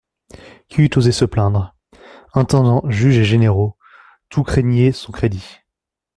Qui eût osé se plaindre ? Intendant, juges et généraux, tout craignait son crédit.